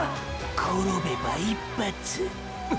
転べば一発ゥ。